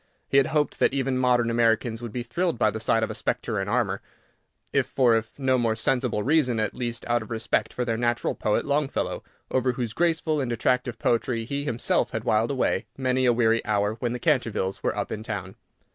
He had hoped that even modern Americans would be thrilled by the sight of a Spectre in armour, if for no more sensible reason, at least out of respect for their natural poet Longfellow, over whose graceful and attractive poetry he himself had whiled away many a weary hour when the Cantervilles were up in town.